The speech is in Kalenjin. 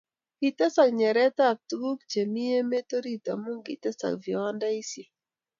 Kitesak nyeretab tuguk che mi emet orit amu kitesak viwandasiek.